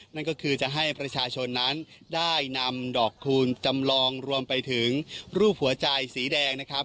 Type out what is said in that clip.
นั่นก็คือจะให้ประชาชนนั้นได้นำดอกคูณจำลองรวมไปถึงรูปหัวใจสีแดงนะครับ